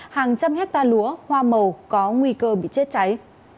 hàng trăm hectare lúa hoa màu có nguy cơ bị chết cháy